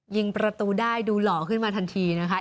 ยิงประตูได้ดูหล่อขึ้นมาทันทีนะคะ